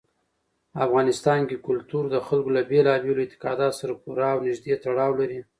افغانستان کې کلتور د خلکو له بېلابېلو اعتقاداتو سره پوره او نږدې تړاو لري.